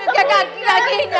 kaki aku lagi ingat